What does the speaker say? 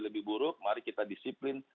lebih buruk mari kita disiplin